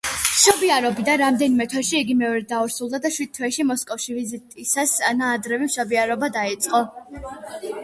მშობიარობიდან რამდენიმე თვეში იგი მეორედ დაორსულდა და შვიდ თვეში, მოსკოვში ვიზიტისას ნაადრევი მშობიარობა დაეწყო.